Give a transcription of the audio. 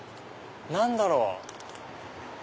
何だろう？